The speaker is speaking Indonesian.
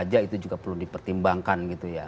kemudian ya itu juga perlu dipertimbangkan gitu ya